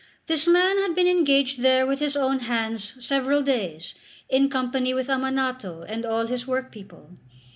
This man had been engaged there with his own hands several days, in company with Ammanato and all his workpeople.